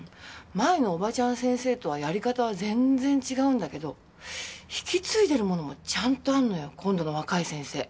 前のおばちゃん先生とはやり方は全然違うんだけど引き継いでるものもちゃんとあるのよ今度の若い先生。